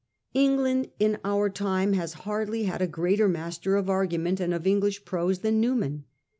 England in our time has hardly had a greater master of argument and of English prose than Newman.